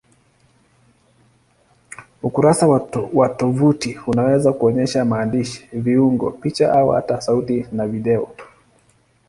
Ukurasa wa tovuti unaweza kuonyesha maandishi, viungo, picha au hata sauti na video.